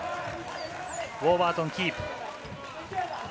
ウォーバートン、キープ。